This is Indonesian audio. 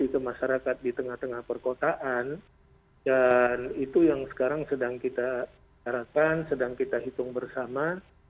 terjadi peningkatan kasus ya